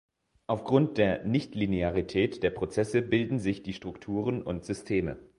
Aufgrund der Nichtlinearität der Prozesse bilden sich die Strukturen und Systeme.